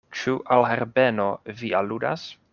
Ĉu al Herbeno vi aludas?